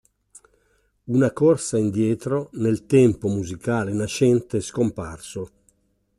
Una corsa indietro nel tempo musicale nascente e scomparso.